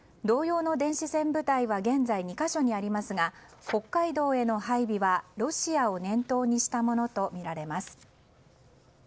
同様の電子戦部隊は現在、２か所にありますが北海道への配備はロシアを念頭にしたものとみられます。